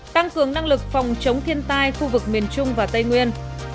tăng cường năng lực phòng chống thiên tai khu vực miền trung và tây nguyên